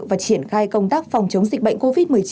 và triển khai công tác phòng chống dịch bệnh covid một mươi chín